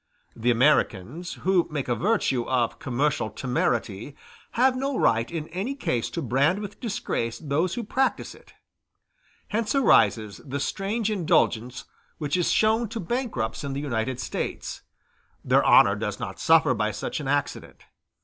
The Americans, who make a virtue of commercial temerity, have no right in any case to brand with disgrace those who practise it. Hence arises the strange indulgence which is shown to bankrupts in the United States; their honor does not suffer by such an accident.